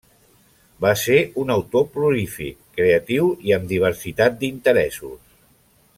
Va ser un autor prolífic, creatiu i amb diversitat d'interessos.